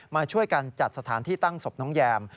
มาช่วยกันจัดสถานที่ตั้งศพน้องแยม